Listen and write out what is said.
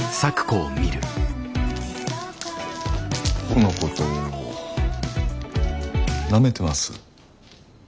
僕のことを舐めてます？